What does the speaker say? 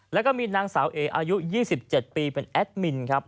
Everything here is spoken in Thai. แล้วก็มีนางสาวเออายุ๒๗ปีเป็นแอดมินครับ